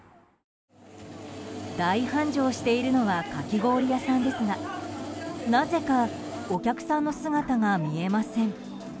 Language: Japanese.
大繁盛しているのはかき氷屋さんですがなぜかお客さんの姿が見えません。